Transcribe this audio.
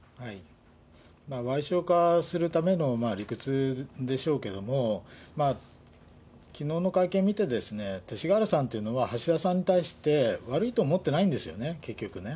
わい小化するための理屈でしょうけども、きのうの会見見てですね、勅使河原さんというのは橋田さんに対して、悪いと思ってないんですよね、結局ね。